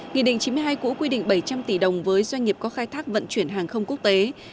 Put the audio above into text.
nghị định chín mươi hai cũ quy định bảy trăm linh tỷ đồng với doanh nghiệp có khai thác vận chuyển hàng không quốc tế